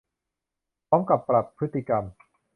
พร้อมกับปรับพฤติกรรม